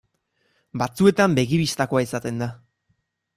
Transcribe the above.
Batzuetan begi bistakoa izaten da.